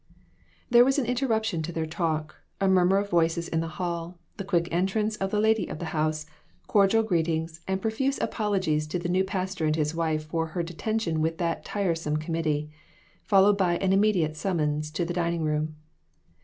" There was an interruption to their talk, a mur mur of voices in the hall, the quick entrance of the lady of the house, cordial greetings and pro fuse apologies to the new pastor and his wife for her detention with "that tiresome committee," followed by an immediate summons to the dining room.